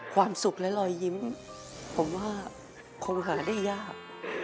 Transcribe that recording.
ความสุขและรอยยิ้มผมว่าคงหาได้ยาก